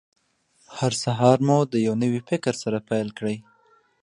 هر سهار مو د یوه نوي فکر سره پیل کړئ.